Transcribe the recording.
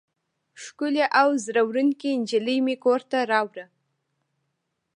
ښکلې او زړه وړونکې نجلۍ مې کور ته راوړه.